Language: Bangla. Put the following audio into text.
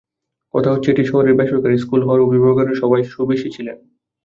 কথা হচ্ছে, এটি শহরের বেসরকারি স্কুল হওয়ায় অভিভাবকেরা সবাই সুবেশী ছিলেন।